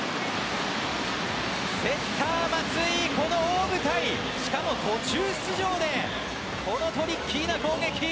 セッターの松井、この大舞台でしかも、途中出場でこのトリッキーな攻撃！